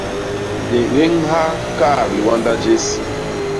Di ñéñha kaat liwanda jés.